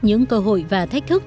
những cơ hội và thách thức